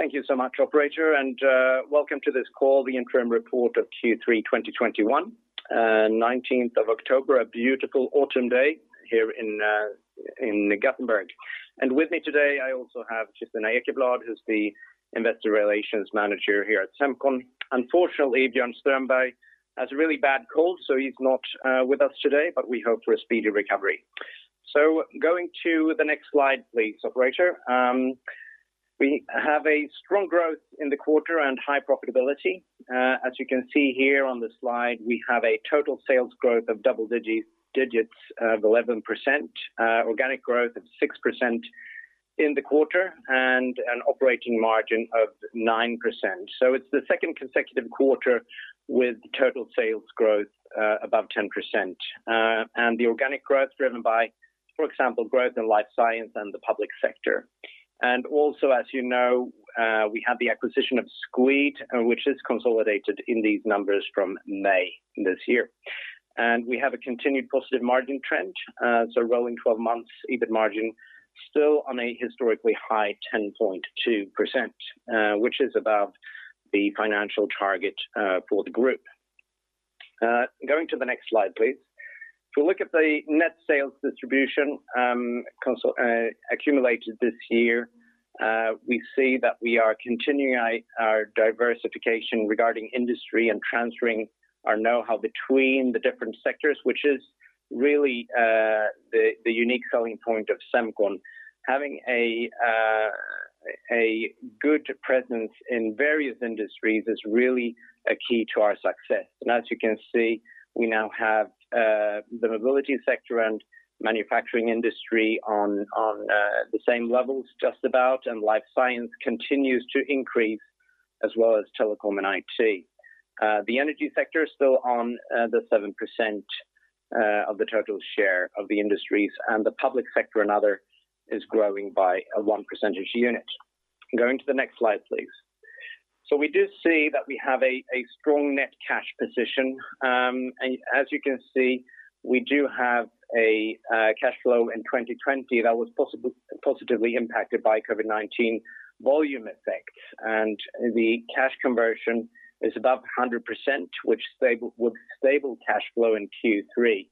Thank you so much, operator, and welcome to this call, the interim report of Q3 2021, 19th of October, a beautiful autumn day here in Gothenburg. With me today, I also have Kristina Ekeblad, who's the Investor Relations Manager here at Semcon. Unfortunately, Björn Strömberg has a really bad cold, so he's not with us today, but we hope for a speedy recovery. Going to the next slide, please, operator. We have a strong growth in the quarter and high profitability. As you can see here on the slide, we have a total sales growth of double digits of 11%, organic growth of 6% in the quarter, and an operating margin of 9%. It's the second consecutive quarter with total sales growth above 10%. The organic growth driven by, for example, growth in life science and the public sector. Also, as you know, we have the acquisition of Squeed, which is consolidated in these numbers from May this year. We have a continued positive margin trend, so rolling 12 months EBIT margin still on a historically high 10.2%, which is above the financial target for the group. Going to the next slide, please. If you look at the net sales distribution accumulated this year, we see that we are continuing our diversification regarding industry and transferring our knowhow between the different sectors, which is really the unique selling point of Semcon. Having a good presence in various industries is really a key to our success. As you can see, we now have the mobility sector and manufacturing industry on the same levels, just about, and life science continues to increase as well as telecom and IT. The energy sector is still on the 7% of the total share of the industries, and the public sector and other is growing by a 1 percentage unit. Going to the next slide, please. We do see that we have a strong net cash position. As you can see, we do have a cash flow in 2020 that was positively impacted by COVID-19 volume effects, and the cash conversion is above 100%, which would stable cash flow in Q3.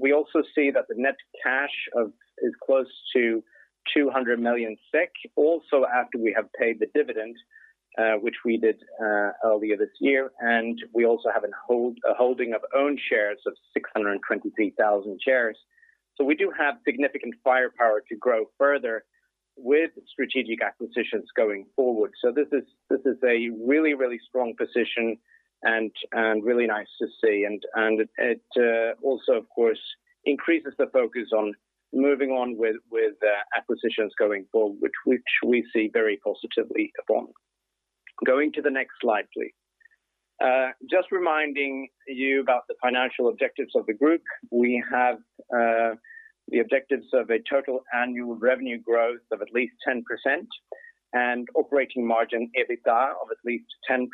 We also see that the net cash is close to 200 million SEK, also after we have paid the dividend, which we did earlier this year, and we also have a holding of own shares of 623,000 shares. We do have significant firepower to grow further with strategic acquisitions going forward. This is a really, really strong position and really nice to see. It also, of course, increases the focus on moving on with acquisitions going forward, which we see very positively upon. Going to the next slide, please. Just reminding you about the financial objectives of the group. We have the objectives of a total annual revenue growth of at least 10% and operating margin, EBITDA, of at least 10%.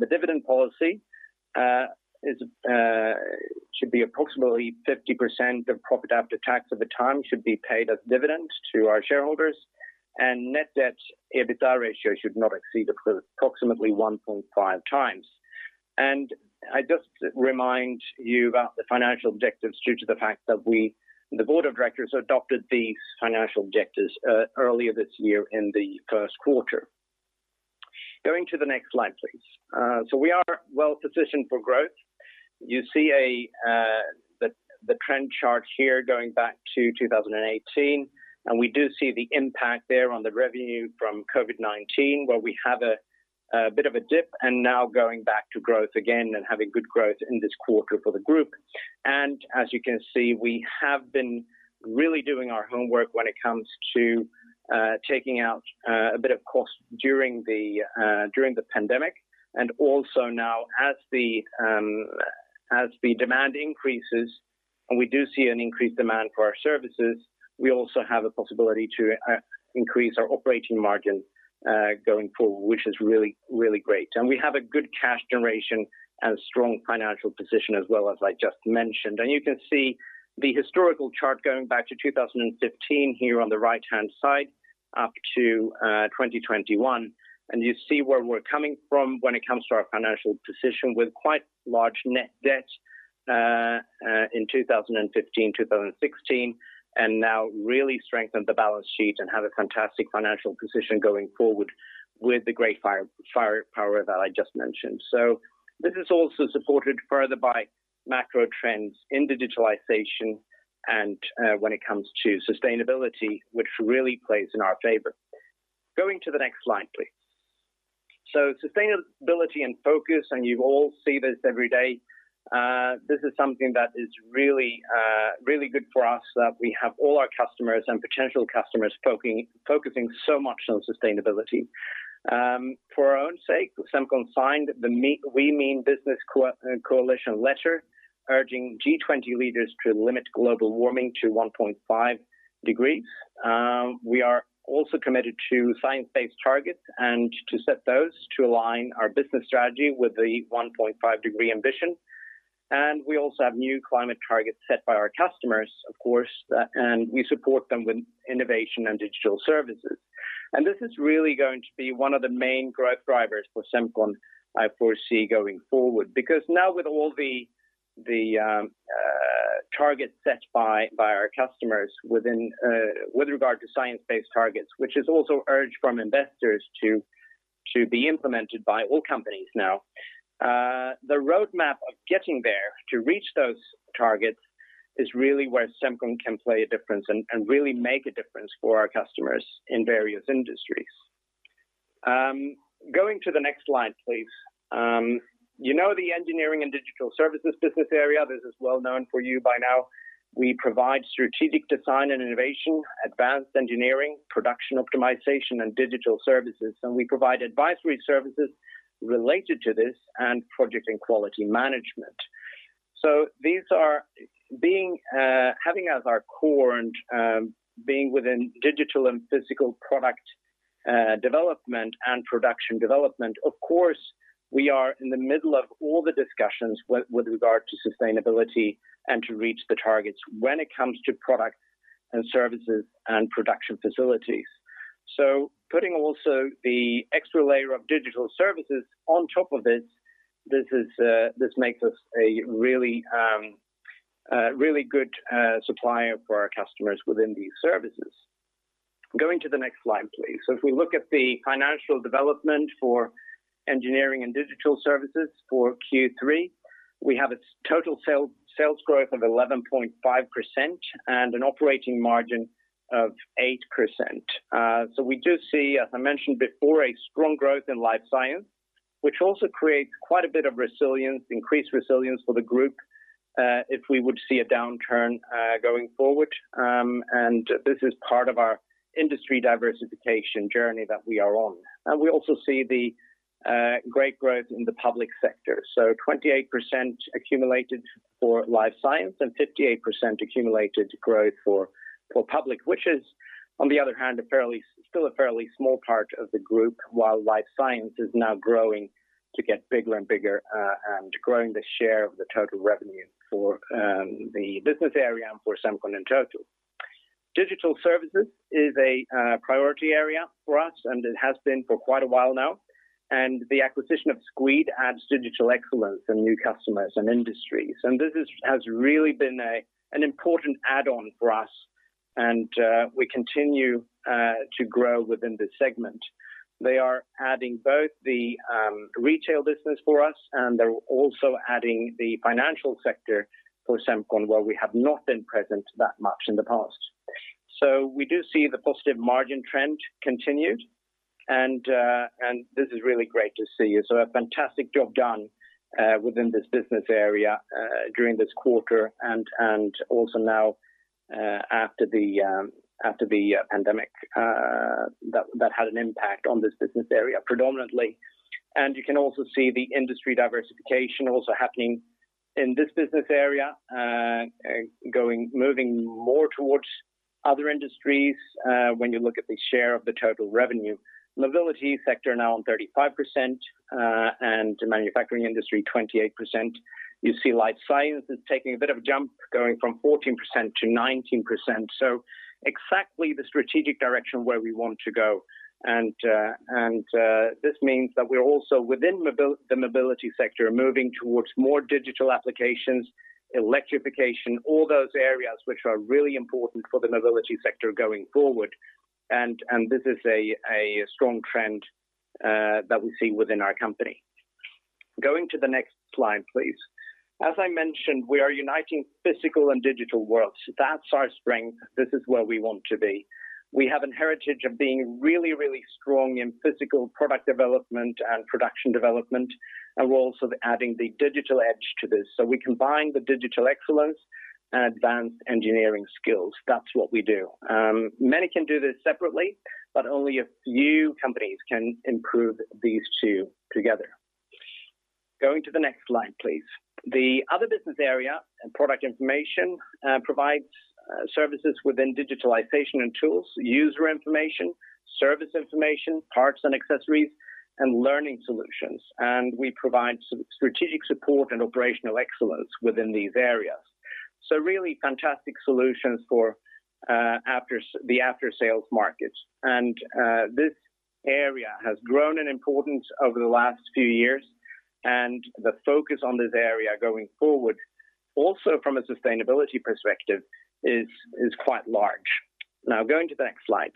The dividend policy should be approximately 50% of profit after tax at the time should be paid as dividends to our shareholders, and net debt EBITDA ratio should not exceed approximately 1.5x. I just remind you about the financial objectives due to the fact that the board of directors adopted the financial objectives earlier this year in the first quarter. Going to the next slide, please. We are well-positioned for growth. You see the trend chart here going back to 2018. We do see the impact there on the revenue from COVID-19, where we have a bit of a dip and now going back to growth again and having good growth in this quarter for the group. As you can see, we have been really doing our homework when it comes to taking out a bit of cost during the pandemic, and also now as the demand increases, and we do see an increased demand for our services, we also have a possibility to increase our operating margin going forward, which is really, really great. We have a good cash generation and strong financial position as well as I just mentioned. You can see the historical chart going back to 2015 here on the right-hand side up to 2021. You see where we're coming from when it comes to our financial position with quite large net debt in 2015, 2016, and now really strengthened the balance sheet and have a fantastic financial position going forward with the great firepower that I just mentioned. This is also supported further by macro trends in digitalization and when it comes to sustainability, which really plays in our favor. Going to the next slide, please. Sustainability and focus, you all see this every day. This is something that is really good for us that we have all our customers and potential customers focusing so much on sustainability. For our own sake, Semcon signed the We Mean Business Coalition letter urging G20 leaders to limit global warming to 1.5 degrees. We are also committed to science-based targets and to set those to align our business strategy with the 1.5-degree ambition. We also have new climate targets set by our customers, of course, and we support them with innovation and digital services. This is really going to be one of the main growth drivers for Semcon, I foresee, going forward. Because now with all the targets set by our customers with regard to science-based targets, which is also urged from investors to be implemented by all companies now, the roadmap of getting there to reach those targets is really where Semcon can play a difference and really make a difference for our customers in various industries. Going to the next slide, please. You know the Engineering & Digital Services business area. This is well-known for you by now. We provide strategic design and innovation, advanced engineering, production optimization, and digital services. We provide advisory services related to this and project and quality management. Having as our core and being within digital and physical product development and production development, of course, we are in the middle of all the discussions with regard to sustainability and to reach the targets when it comes to products and services and production facilities. Putting also the extra layer of digital services on top of this makes us a really good supplier for our customers within these services. Going to the next slide, please. If we look at the financial development for Engineering & Digital Services for Q3, we have a total sales growth of 11.5% and an operating margin of 8%. We do see, as I mentioned before, a strong growth in Life Science, which also creates quite a bit of resilience, increased resilience for the group, if we would see a downturn going forward. This is part of our industry diversification journey that we are on. We also see the great growth in the Public sector. 28% accumulated for Life Science and 58% accumulated growth for Public, which is, on the other hand, still a fairly small part of the group, while Life Science is now growing to get bigger and bigger and growing the share of the total revenue for the business area and for Semcon in total. Digital services is a priority area for us, and it has been for quite a while now, and the acquisition of Squeed adds digital excellence and new customers and industries. This has really been an important add-on for us, and we continue to grow within this segment. They are adding both the retail business for us, and they're also adding the financial sector for Semcon, where we have not been present that much in the past. We do see the positive margin trend continued, and this is really great to see. A fantastic job done within this business area during this quarter and also now after the pandemic that had an impact on this business area predominantly. You can also see the industry diversification also happening in this business area, moving more towards other industries when you look at the share of the total revenue. Mobility sector now on 35% and the manufacturing industry 28%. You see Life Science is taking a bit of a jump, going from 14%-19%. Exactly the strategic direction where we want to go. This means that we are also within the mobility sector, moving towards more digital applications, electrification, all those areas which are really important for the mobility sector going forward, and this is a strong trend that we see within our company. Going to the next slide, please. As I mentioned, we are uniting physical and digital worlds. That's our strength. This is where we want to be. We have a heritage of being really strong in physical product development and production development, and we're also adding the digital edge to this. We combine the digital excellence and advanced engineering skills. That's what we do. Many can do this separately, but only a few companies can improve these two together. Going to the next slide, please. The other business area, Product Information, provides services within digitalization and tools, user information, service information, parts and accessories, and learning solutions. We provide strategic support and operational excellence within these areas. Really fantastic solutions for the after-sales markets. This area has grown in importance over the last few years, and the focus on this area going forward, also from a sustainability perspective, is quite large. Going to the next slide.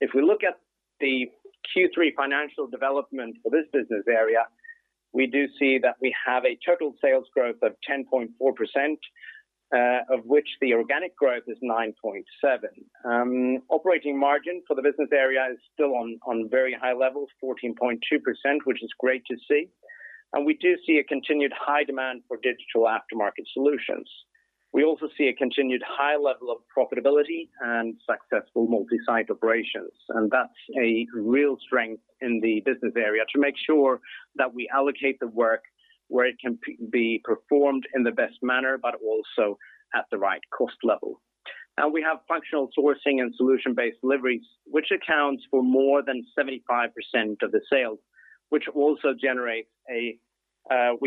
If we look at the Q3 financial development for this business area, we do see that we have a total sales growth of 10.4%, of which the organic growth is 9.7%. Operating margin for the business area is still on very high levels, 14.2%, which is great to see. We do see a continued high demand for digital aftermarket solutions. We also see a continued high level of profitability and successful multi-site operations, and that's a real strength in the business area to make sure that we allocate the work where it can be performed in the best manner, but also at the right cost level. We have functional sourcing and solution-based deliveries, which accounts for more than 75% of the sales, which we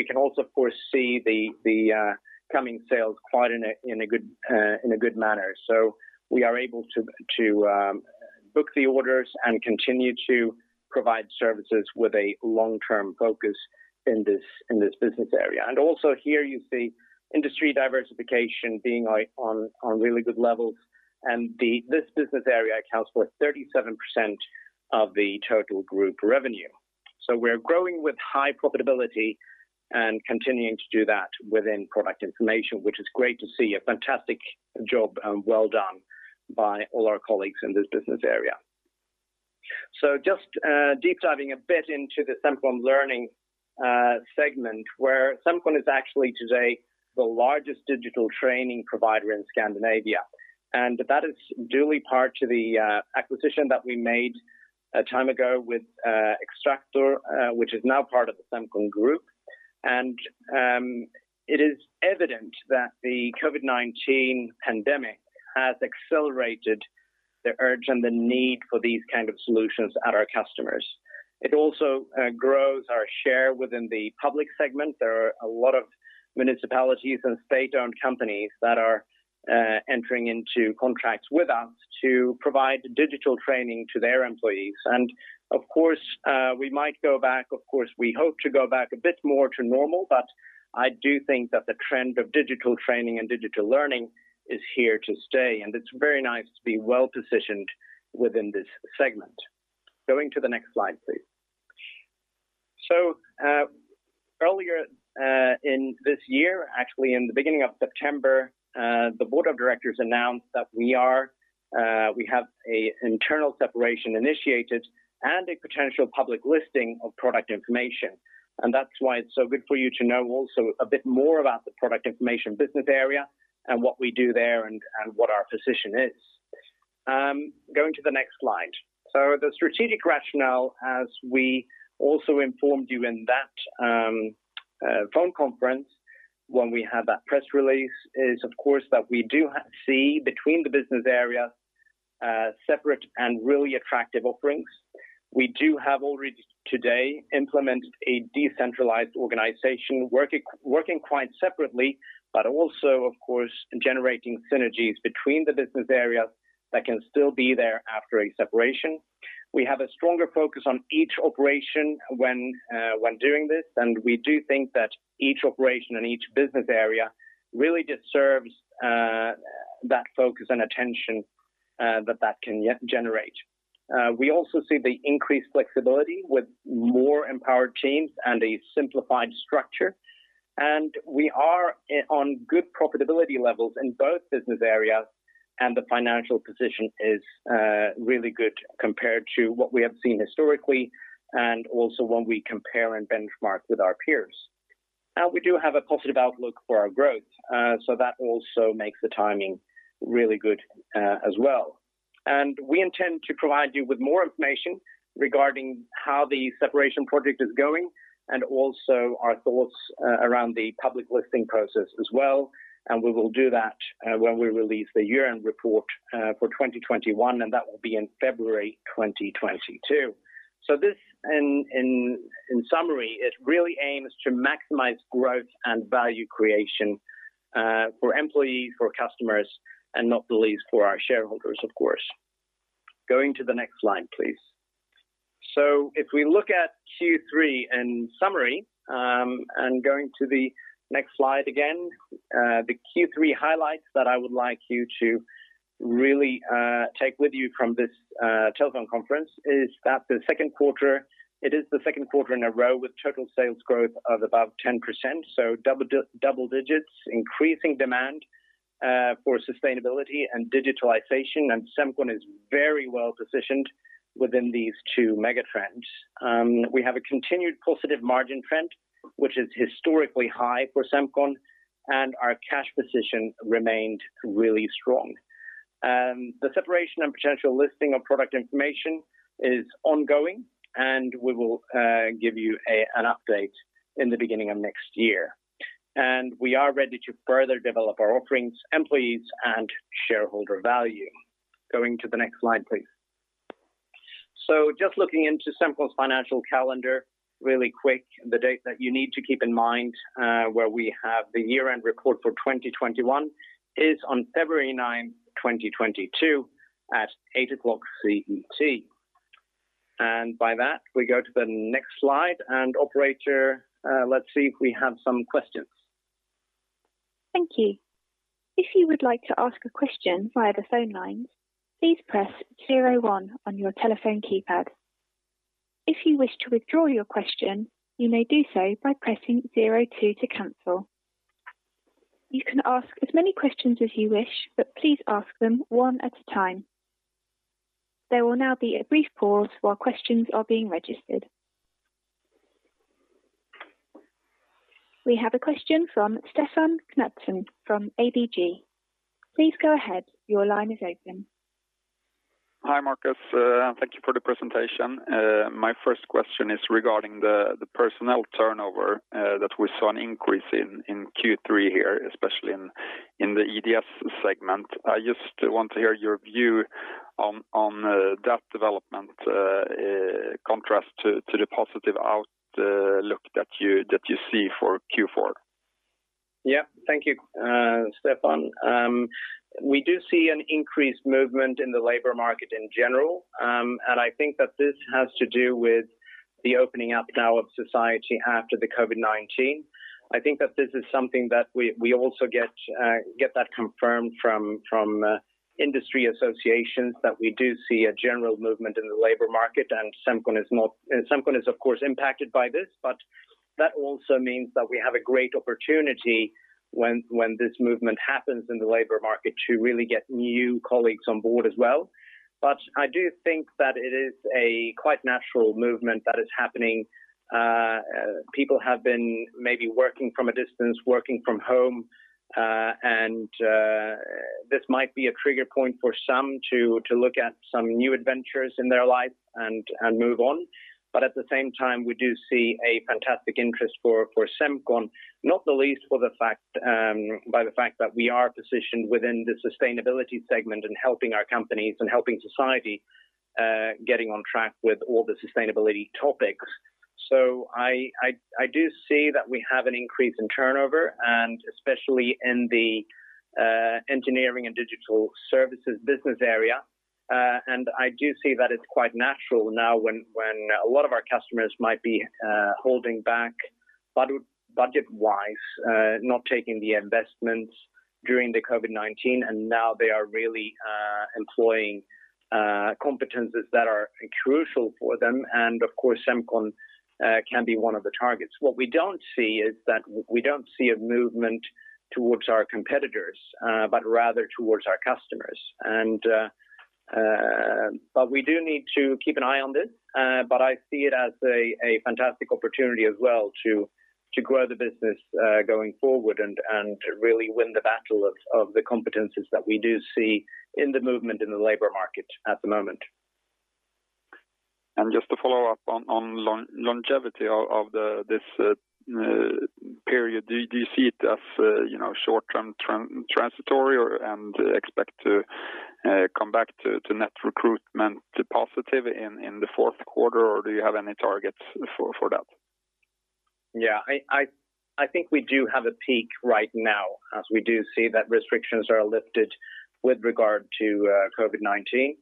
can also foresee the coming sales quite in a good manner. We are able to book the orders and continue to provide services with a long-term focus in this business area. Also here you see industry diversification being on really good levels, and this business area accounts for 37% of the total Group revenue. We're growing with high profitability and continuing to do that within Product Information, which is great to see. A fantastic job well done by all our colleagues in this business area. Just deep diving a bit into the Semcon Learning segment, where Semcon is actually today the largest digital training provider in Scandinavia, and that is duly part to the acquisition that we made a time ago with Xtractor, which is now part of the Semcon Group. It is evident that the COVID-19 pandemic has accelerated the urge and the need for these kind of solutions at our customers. It also grows our share within the public segment. There are a lot of municipalities and state-owned companies that are entering into contracts with us to provide digital training to their employees. Of course, we hope to go back a bit more to normal, but I do think that the trend of digital training and digital learning is here to stay, and it's very nice to be well-positioned within this segment. Going to the next slide, please. Earlier in this year, actually in the beginning of September, the board of directors announced that we have an internal separation initiated and a potential public listing of Product Information, and that's why it's so good for you to know also a bit more about the Product Information business area and what we do there and what our position is. Going to the next slide. The strategic rationale, as we also informed you in that phone conference when we had that press release, is of course that we do see between the business area separate and really attractive offerings. We do have already today implemented a decentralized organization working quite separately, but also of course generating synergies between the business areas that can still be there after a separation. We have a stronger focus on each operation when doing this, and we do think that each operation and each business area really deserves that focus and attention that can generate. We also see the increased flexibility with more empowered teams and a simplified structure, and we are on good profitability levels in both business areas, and the financial position is really good compared to what we have seen historically and also when we compare and benchmark with our peers. We do have a positive outlook for our growth, so that also makes the timing really good as well. We intend to provide you with more information regarding how the separation project is going and also our thoughts around the public listing process as well. We will do that when we release the year-end report for 2021, and that will be in February 2022. This, in summary, it really aims to maximize growth and value creation for employees, for customers, and not the least for our shareholders, of course. Going to the next slide, please. If we look at Q3 in summary, and going to the next slide again, the Q3 highlights that I would like you to really take with you from this telephone conference is that it is the second quarter in a row with total sales growth of above 10%, so double digits, increasing demand for sustainability and digitalization, and Semcon is very well positioned within these two mega trends. We have a continued positive margin trend, which is historically high for Semcon, and our cash position remained really strong. The separation and potential listing of Product Information is ongoing, and we will give you an update in the beginning of next year. We are ready to further develop our offerings, employees, and shareholder value. Going to the next slide, please. Just looking into Semcon's financial calendar really quick. The date that you need to keep in mind where we have the year-end report for 2021 is on February 9th, 2022, at 8:00 CET. By that, we go to the next slide, and operator, let's see if we have some questions. Thank you. If you would like to ask a question via the phone lines, please press zero one on your telephone keypad. If you wish to withdraw your question, you may do so by pressing zero two to cancel. You can ask as many questions as you wish, but please ask them one at a time. There will now be a brief pause while questions are being registered. We have a question from Stefan Knutsson from ABG. Please go ahead. Your line is open Hi, Markus. Thank you for the presentation. My first question is regarding the personnel turnover that we saw an increase in Q3 here, especially in the EDS segment. I just want to hear your view on that development contrast to the positive outlook that you see for Q4. Yeah. Thank you, Stefan. We do see an increased movement in the labor market in general. I think that this has to do with the opening up now of society after the COVID-19. I think that this is something that we also get that confirmed from industry associations that we do see a general movement in the labor market and Semcon is of course impacted by this. That also means that we have a great opportunity when this movement happens in the labor market to really get new colleagues on board as well. I do think that it is a quite natural movement that is happening. People have been maybe working from a distance, working from home, and this might be a trigger point for some to look at some new adventures in their life and move on. At the same time, we do see a fantastic interest for Semcon, not the least by the fact that we are positioned within the sustainability segment in helping our companies and helping society getting on track with all the sustainability topics. I do see that we have an increase in turnover and especially in the Engineering & Digital Services business area. I do see that it's quite natural now when a lot of our customers might be holding back budget-wise, not taking the investments during the COVID-19, and now they are really employing competencies that are crucial for them and of course, Semcon can be one of the targets. What we don't see is that we don't see a movement towards our competitors, but rather towards our customers. We do need to keep an eye on this, but I see it as a fantastic opportunity as well to grow the business going forward and to really win the battle of the competencies that we do see in the movement in the labor market at the moment. Just to follow up on longevity of this period, do you see it as short-term transitory and expect to come back to net recruitment to positive in the fourth quarter or do you have any targets for that? Yeah. I think we do have a peak right now as we do see that restrictions are lifted with regard to COVID-19.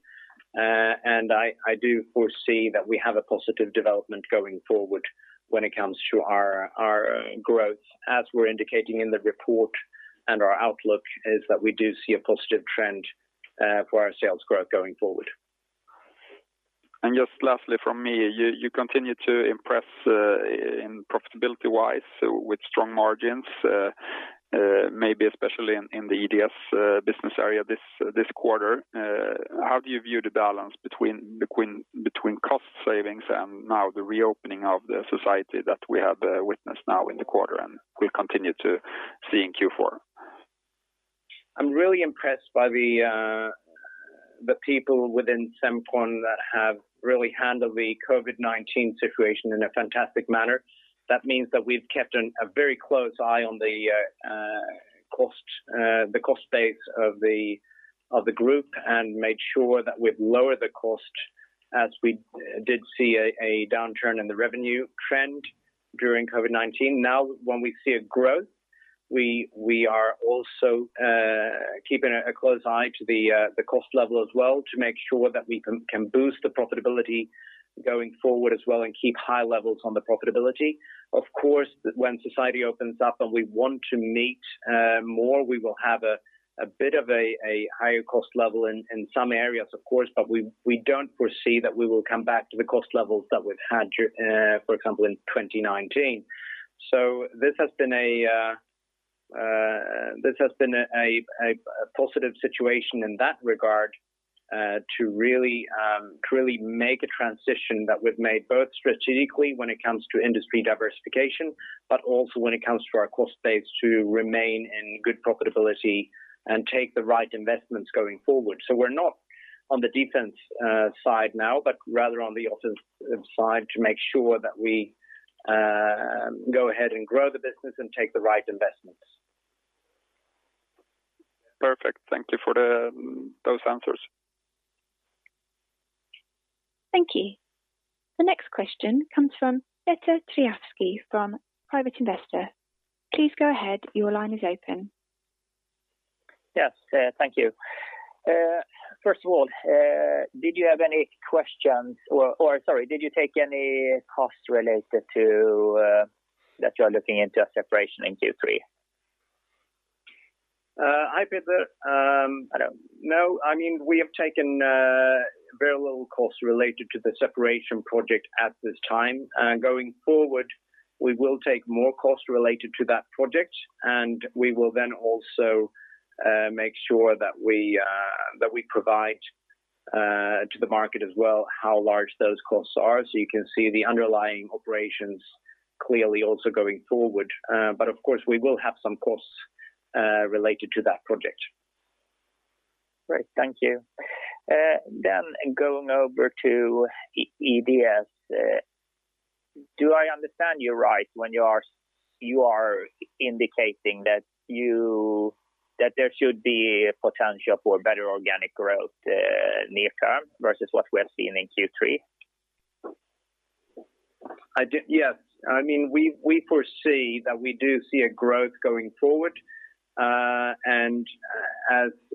I do foresee that we have a positive development going forward when it comes to our growth, as we're indicating in the report and our outlook is that we do see a positive trend for our sales growth going forward. Just lastly from me, you continue to impress profitability-wise with strong margins maybe especially in the EDS business area this quarter. How do you view the balance between cost savings and now the reopening of the society that we have witnessed now in the quarter and will continue to see in Q4? I'm really impressed by the people within Semcon that have really handled the COVID-19 situation in a fantastic manner. That means that we've kept a very close eye on the cost base of the group and made sure that we've lowered the cost as we did see a downturn in the revenue trend during COVID-19. Now when we see a growth, we are also keeping a close eye to the cost level as well to make sure that we can boost the profitability going forward as well and keep high levels on the profitability. Of course, when society opens up and we want to meet more, we will have a bit of a higher cost level in some areas of course, but we don't foresee that we will come back to the cost levels that we've had for example, in 2019. This has been a positive situation in that regard to really make a transition that we've made both strategically when it comes to industry diversification, but also when it comes to our cost base to remain in good profitability and take the right investments going forward. We're not on the defense side now, but rather on the offensive side to make sure that we go ahead and grow the business and take the right investments. Perfect. Thank you for those answers. Thank you. The next question comes from Peter Thafvelin from Private Investor. Please go ahead. Your line is open. Yes. Thank you. First of all did you have any questions or sorry, did you take any costs related to that you are looking into a separation in Q3? Hi, Peter. No. We have taken very little cost related to the separation project at this time. We will then also make sure that we provide to the market as well how large those costs are so you can see the underlying operations clearly also going forward. Of course we will have some costs related to that project. Great. Thank you. Going over to EDS. Do I understand you right when you are indicating that there should be potential for better organic growth near-term versus what we have seen in Q3? Yes. We foresee that we do see a growth going forward.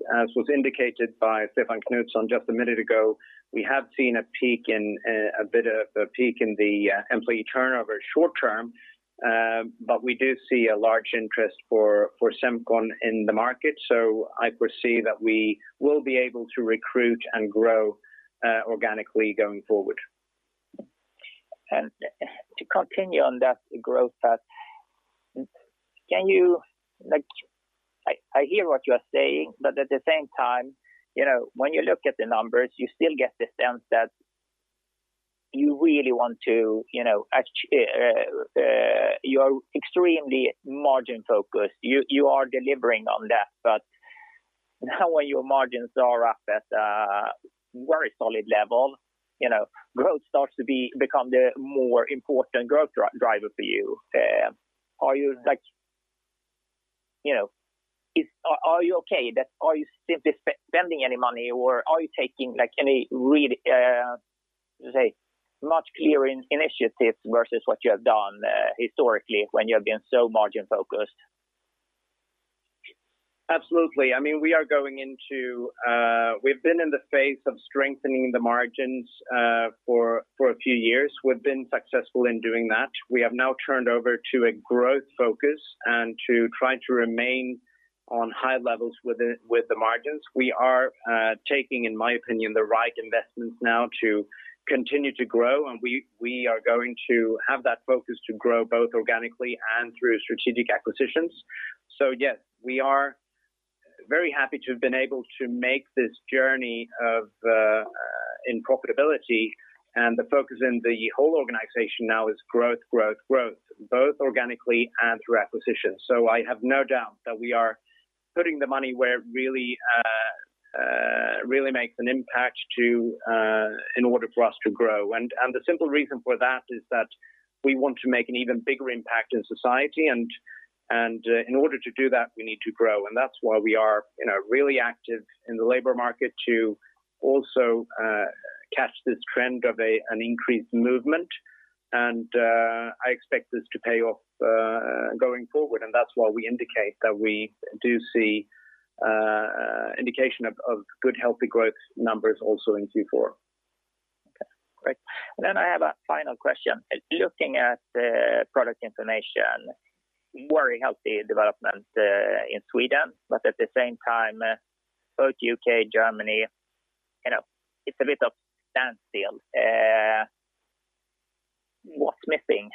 As was indicated by Stefan Knutsson just a minute ago, we have seen a bit of a peak in the employee turnover short-term, but we do see a large interest for Semcon in the market. I foresee that we will be able to recruit and grow organically going forward. To continue on that growth path, I hear what you are saying, but at the same time, when you look at the numbers, you still get the sense that you are extremely margin focused. You are delivering on that. Now when your margins are up at a very solid level, growth starts to become the more important growth driver for you. Are you simply spending any money or are you taking any really, let's say, much clearer initiatives versus what you have done historically when you have been so margin focused? Absolutely. We've been in the phase of strengthening the margins for a few years. We've been successful in doing that. We have now turned over to a growth focus and to try to remain on high levels with the margins. We are taking, in my opinion, the right investments now to continue to grow, and we are going to have that focus to grow both organically and through strategic acquisitions. Yes, we are very happy to have been able to make this journey in profitability, and the focus in the whole organization now is growth, growth, both organically and through acquisition. I have no doubt that we are putting the money where it really makes an impact in order for us to grow. The simple reason for that is that we want to make an even bigger impact in society, and in order to do that, we need to grow. That's why we are really active in the labor market to also catch this trend of an increased movement. I expect this to pay off going forward, and that's why we indicate that we do see indication of good, healthy growth numbers also in Q4. Okay, great. I have a final question. Looking at the Product Information, very healthy development in Sweden, but at the same time, both U.K., Germany, it's a bit of a standstill. What's missing?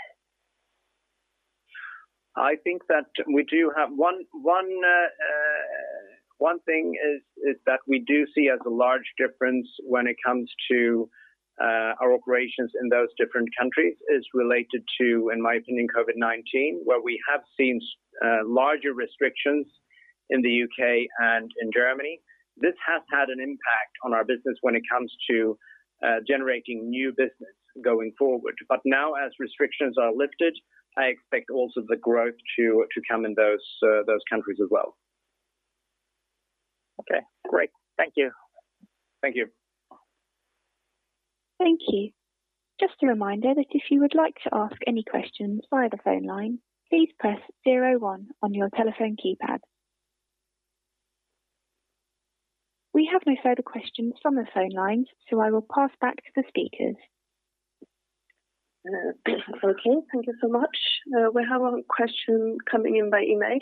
One thing is that we do see as a large difference when it comes to our operations in those different countries is related to, in my opinion, COVID-19, where we have seen larger restrictions in the U.K. and in Germany. This has had an impact on our business when it comes to generating new business going forward. Now as restrictions are lifted, I expect also the growth to come in those countries as well. Okay, great. Thank you. Thank you. Thank you. Just a reminder that if you would like to ask any questions via the phone line, please press zero one on your telephone keypad. We have no further questions from the phone lines, I will pass back to the speakers. Okay. Thank you so much. We have one question coming in by email,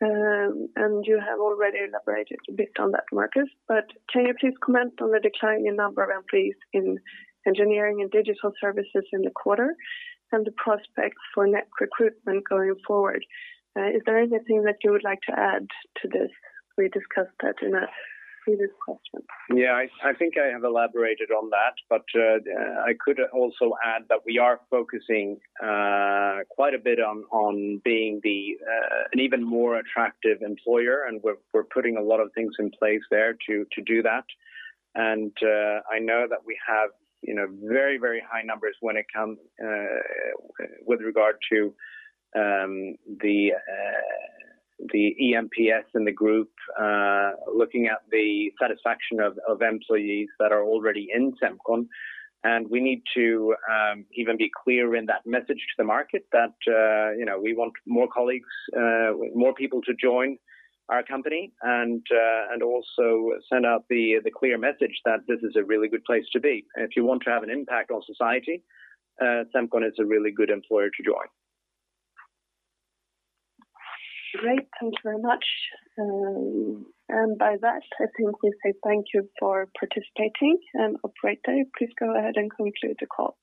and you have already elaborated a bit on that, Markus. But can you please comment on the decline in number of employees in Engineering & Digital Services in the quarter and the prospects for net recruitment going forward? Is there anything that you would like to add to this? We discussed that in a previous question. Yeah, I think I have elaborated on that, but I could also add that we are focusing quite a bit on being an even more attractive employer, and we're putting a lot of things in place there to do that. I know that we have very high numbers with regard to the eNPS in the group, looking at the satisfaction of employees that are already in Semcon. We need to even be clear in that message to the market that we want more colleagues, more people to join our company, and also send out the clear message that this is a really good place to be. If you want to have an impact on society, Semcon is a really good employer to join. Great. Thank you very much. By that, I think we say thank you for participating. Operator, please go ahead and conclude the call.